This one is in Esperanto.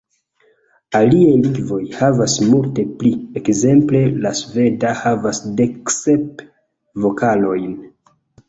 Aliaj lingvoj havas multe pli, ekzemple la sveda havas dek sep vokalojn.